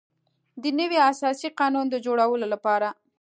د نوي اساسي قانون د جوړولو لپاره.